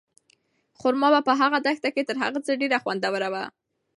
خورما په هغه دښته کې تر هر څه ډېره خوندوره وه.